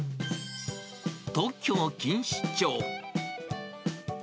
東京・錦糸町。